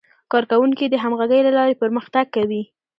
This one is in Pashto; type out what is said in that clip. کارکوونکي د همغږۍ له لارې پرمختګ کوي